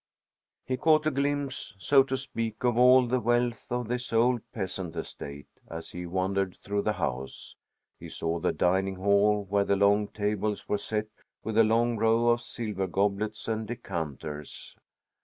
He caught a glimpse, so to speak, of all the wealth of this old peasant estate as he wandered through the house. He saw the dining hall, where the long tables were set with a long row of silver goblets and decanters.